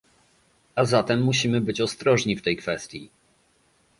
A zatem musimy być ostrożni w tej kwestii